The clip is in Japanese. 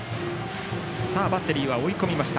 バッテリー追い込みました。